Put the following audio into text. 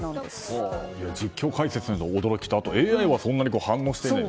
実況・解説の驚きとＡＩはそんなに反応していない。